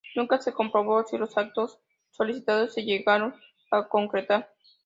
Nunca se comprobó si los actos solicitados se llegaron a concretar.